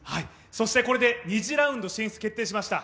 そしてこれで２次ラウンド進出決定しました。